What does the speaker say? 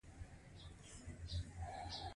هغه خپله د پیسو پانګه په مولده پانګه بدلوي